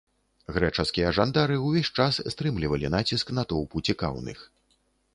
Грэчаскія жандары ўвесь час стрымлівалі націск натоўпу цікаўных.